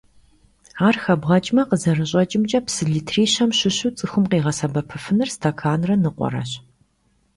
Ар хэбгъэкӀмэ, къызэрыщӀэкӀымкӀэ, псы литри щэм щыщу цӀыхум къигъэсэбэпыфынур стэканрэ ныкъуэрэщ.